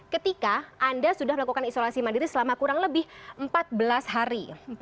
ketika anda sudah melakukan isolasi mandiri selama kurang lebih empat belas hari